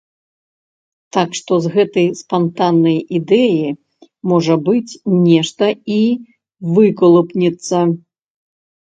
Так што, з гэтай спантаннай ідэі, можа быць, нешта і выкалупнецца.